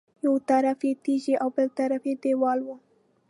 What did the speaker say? یو طرف یې تیږې او بل طرف یې دېوال و.